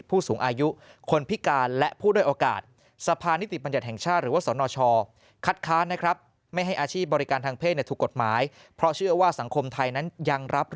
ผู้สูงอายุคนพิการและผู้ด้วยโอกาสสะพานนิติบัญญัติแห่งชาติหรือว่าสนชอ